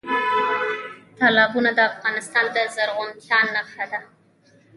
تالابونه د افغانستان د زرغونتیا نښه ده.